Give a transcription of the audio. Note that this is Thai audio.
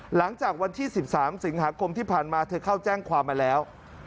หลังจากวันที่๑๓สิงหาคมที่ผ่านมาเธอเข้าแจ้งความมาแล้ว